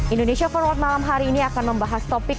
indonesia forward malam hari ini akan membahas topik